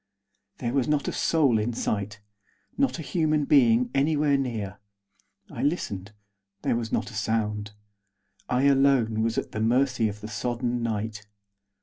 There was not a soul in sight. Not a human being anywhere near. I listened; there was not a sound. I alone was at the mercy of the sodden night.